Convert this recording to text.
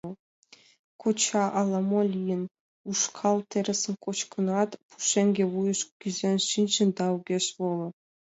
Кочай ала-мо лийын: ушкал терысым кочкынат, пушеҥге вуйыш кӱзен шинчын да огешат воло.